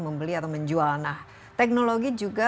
membeli atau menjual nah teknologi juga